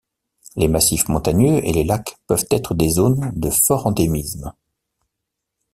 Les massifs montagneux et les lacs peuvent être des zones de fort endémisme.